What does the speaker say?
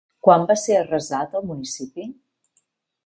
Quan va ser arrasat el municipi?